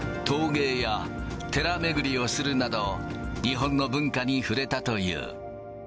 陶芸や寺巡りをするなど、日本の文化に触れたという。